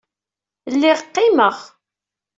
Lliɣ qqimeɣ.